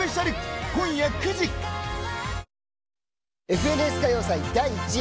「ＦＮＳ歌謡祭」、第１夜。